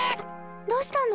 どうしたの？